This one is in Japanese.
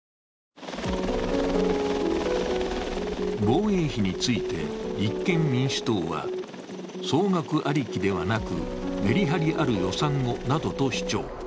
防衛費について立憲民主党は、総額ありきではなく、めりはりある予算をなどと主張。